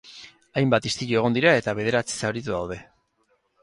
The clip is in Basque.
Hainbat istilu egon dira eta bederatzi zauritu daude.